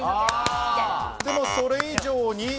でも、それ以上に。